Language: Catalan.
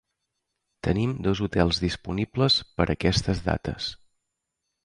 Tenim dos hotels disponibles per aquestes dates.